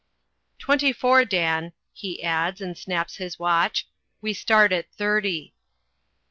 Twenty four, Dan," he adds, and snaps his watch. "We start at thirty."